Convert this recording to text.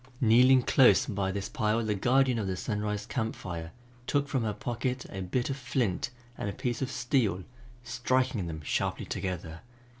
Kneeling close by this pile the guardian of the Sunrise Camp Fire took from her pocket a bit of flint and a piece of steel, striking them sharply together.